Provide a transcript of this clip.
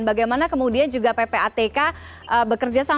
bagaimana kemudian juga ppatk bekerja sama dengan kepolisian